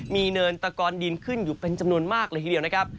มีเนินตะกอนดินขึ้นอยู่เป็นจำนวนมากเลยทีเดียวนะครับ